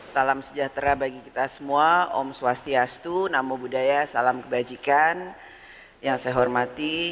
salam sejahtera bagi kita semua om swastiastu namo buddhaya salam kebajikan yang saya hormati